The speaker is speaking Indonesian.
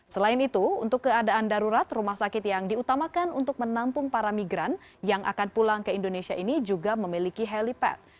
selain itu untuk keadaan darurat rumah sakit yang diutamakan untuk menampung para migran yang akan pulang ke indonesia ini juga memiliki helipad